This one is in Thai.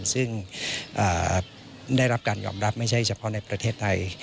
ซึ่งได้รับการยอมรับไม่ใช่เฉพาะในประเทศไทย